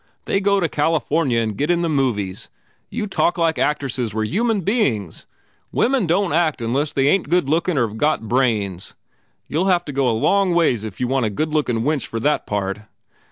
They go to California and get in the movies. You talk like actresses were human beings! Women don t act unless they ain t good lookin or ve got brains. You ll have to go a long ways if you want a good lookin wench for that part.